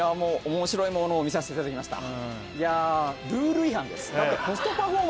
面白いものを見させていただきました。